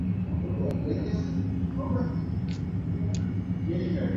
Eho che ra'y embojahu ne renda.